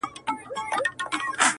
قالیني، فرشونه او پردې و مينځل سي